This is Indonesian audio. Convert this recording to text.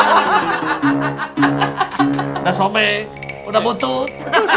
udah sobek udah buntut